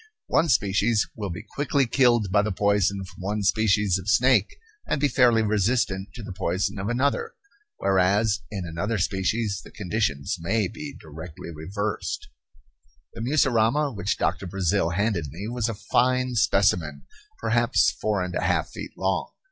One species will be quickly killed by the poison from one species of snake, and be fairly resistant to the poison of another; whereas in another species the conditions may be directly reversed. The mussurama which Doctor Brazil handed me was a fine specimen, perhaps four and a half feet long.